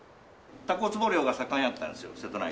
たこつぼ漁が盛んやったんですよ瀬戸内海。